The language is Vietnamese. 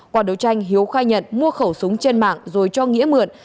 qua đấu tranh hiếu khai nhận mua khẩu súng trên mạng rồi cho nghĩa mượn